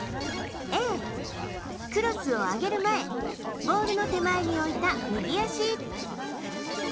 Ａ、クロスを上げる前、ボールの手前に置いた右足。